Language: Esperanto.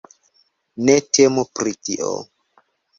Ne temu pri tio.